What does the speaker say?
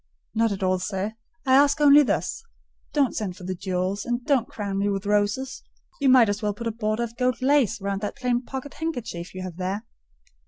"Not at all, sir; I ask only this: don't send for the jewels, and don't crown me with roses: you might as well put a border of gold lace round that plain pocket handkerchief you have there."